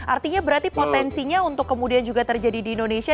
artinya berarti potensinya untuk kemudian juga terjadi di indonesia